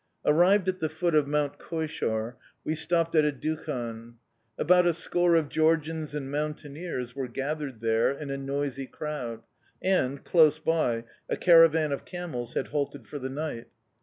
Arrived at the foot of Mount Koishaur, we stopped at a dukhan. About a score of Georgians and mountaineers were gathered there in a noisy crowd, and, close by, a caravan of camels had halted for the night.